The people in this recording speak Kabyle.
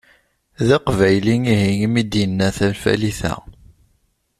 D aqbayli ihi imi d-yenna tanfalit-a?